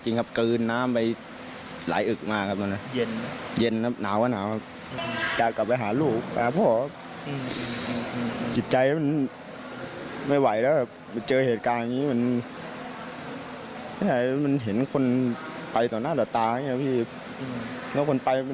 จริงครับพี่เหนือกสุดท้ายจริงครับ